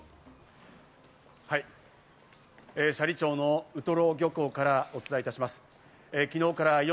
斜里町のウトロ漁港からお伝えします。